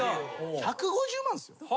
１５０万ですよ？